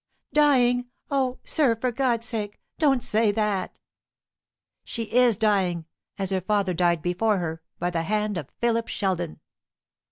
"Dying! O, sir, for God's sake, don't say that!" "She is dying, as her father died before her, by the hand of Philip Sheldon."